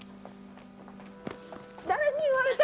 誰に言われた？